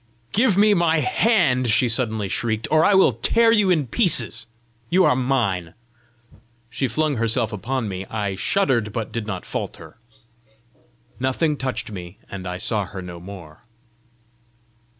"Give me my hand," she suddenly shrieked, "or I will tear you in pieces: you are mine!" She flung herself upon me. I shuddered, but did not falter. Nothing touched me, and I saw her no more.